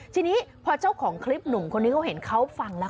ทีนี้พอเจ้าของคลิปหนุ่มคนนี้เขาเห็นเขาฟังแล้ว